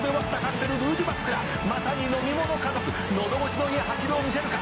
「まさに飲み物家族」「喉越しのいい走りを見せるか」